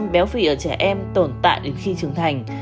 bảy mươi béo phỉ ở trẻ em tồn tại đến khi trưởng thành